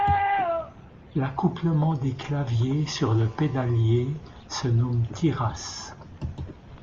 L'accouplement des claviers sur le pédalier se nomme tirasse.